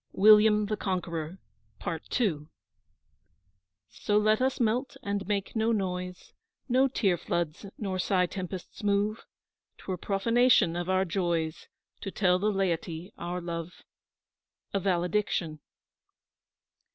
WILLIAM THE CONQUEROR PART II So let us melt and make no noise, No tear floods nor sigh tempests move; 'Twere profanation of our joys To tell the laity our love. A VALEDICTION.